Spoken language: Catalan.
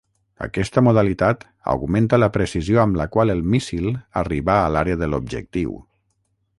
Aquesta modalitat augmenta la precisió amb la qual el míssil arriba l'àrea de l'objectiu.